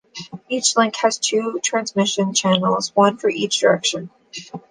Each link has two transmission channels, one for each direction.